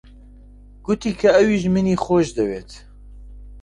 گوتی کە ئەویش منی خۆش دەوێت.